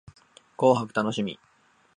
紅白楽しみ